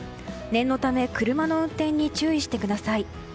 念のため車の運転に注意してください。